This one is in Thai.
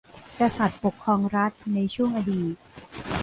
กษัตริย์ปกครองรัฐในช่วงอดีต